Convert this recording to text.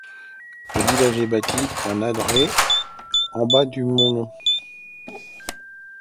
Le village est bâti en adret au bas du Mont Long.